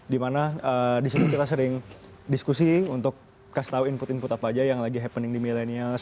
di mana di situ kita sering diskusi untuk kasih tau input input apa aja yang lagi happening di milenials